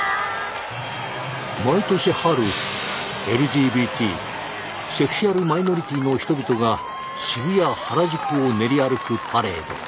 毎年春ＬＧＢＴセクシュアルマイノリティの人々が渋谷・原宿を練り歩くパレード。